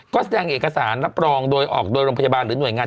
ก็แสดงเอกสารรับรองโดยออกโดยโรงพยาบาลหรือหน่วยงาน